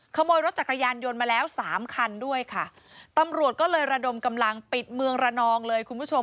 ขโมยรถจักรยานยนต์มาแล้วสามคันด้วยค่ะตำรวจก็เลยระดมกำลังปิดเมืองระนองเลยคุณผู้ชม